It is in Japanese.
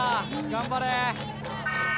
頑張れ。